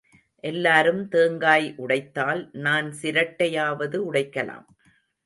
எல்லாரும் தேங்காய் உடைத்தால் நான் சிரட்டையாவது உடைக்கலாம்.